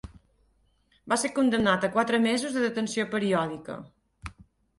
Va ser condemnat a quatre mesos de detenció periòdica.